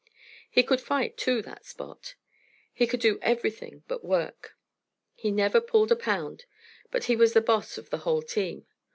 He could fight, too, that Spot. He could do everything but work. He never pulled a pound, but he was the boss of the whole team.